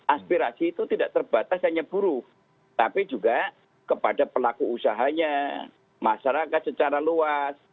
aspirasi itu tidak terbatas hanya buruh tapi juga kepada pelaku usahanya masyarakat secara luas